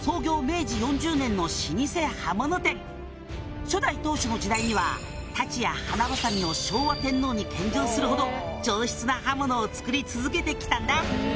明治４０年の老舗刃物店」「初代当主の時代には太刀や花鋏を昭和天皇に献上するほど上質な刃物を作り続けて来たんだ」